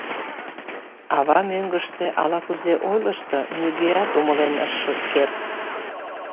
Ава мӧҥгыштӧ ала-кузе ойлышто, нигӧат умылен ыш керт.